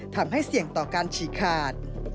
ทำให้เสี่ยงต่อการฉีกขาด